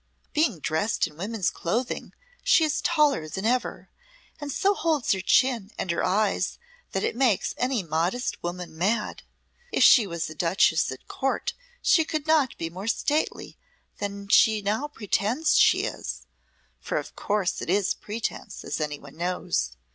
Being dressed in woman's clothing she is taller than ever, and so holds her chin and her eyes that it makes any modist woman mad. If she was a Duchess at Court she could not be more stately than she now pretends she is (for of course it is pretence, as anyone knows).